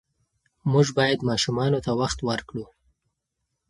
موږ باید ماشومانو ته وخت ورکړو.